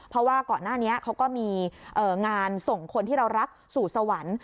เพราะว่าก่อนหน้านี้เขาก็มีงานส่งคนที่เรารักสู่สวรรค์